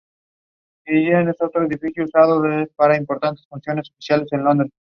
Su enorme popularidad generó toda una corriente de imitadores.